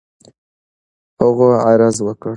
هغو عرض وكړ: